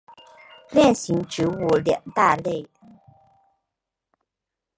链型植物两大类。